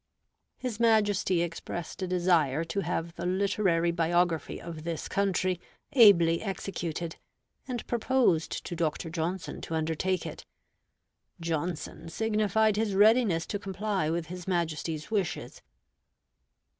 His Majesty expressed a desire to have the literary biography of this country ably executed, and proposed to Dr. Johnson to undertake it. Johnson signified his readiness to comply with his Majesty's wishes.